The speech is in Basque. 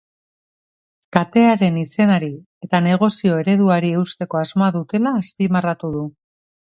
Katearen izenari eta negozio-ereduari eusteko asmoa dutela azpimarratu du.